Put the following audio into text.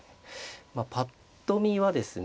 ぱっと見はですね